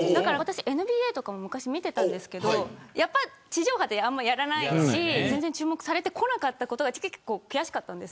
ＮＢＡとかも昔見てたんですけど地上波であんまりやらないし全然注目されてこなかったことが悔しかったんです。